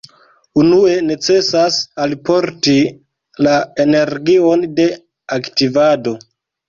Unue necesas alporti la energion de aktivado.